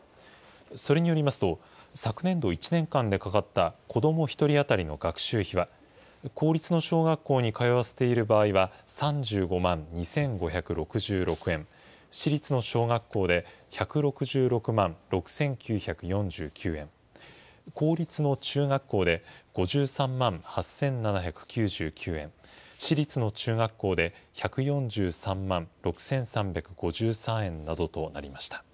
それによりますと、昨年度１年間でかかった子ども１人当たりの学習費は公立の小学校に通わせている場合は３５万２５６６円、私立の小学校で１６６万６９４９円、公立の中学校で５３万８７９９円、私立の中学校で１４３万６３５３円などとなりました。